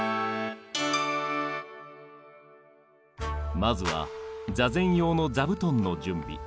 まずは座禅用の座布団の準備。